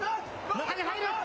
中に入る。